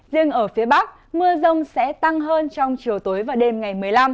riêng ở phía bắc mưa rông sẽ tăng hơn trong chiều tối và đêm ngày một mươi năm